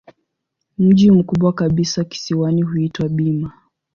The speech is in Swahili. Mji mkubwa kabisa kisiwani huitwa Bima.